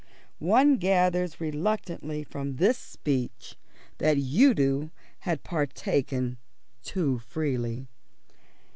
One gathers reluctantly from this speech that Udo had partaken too freely.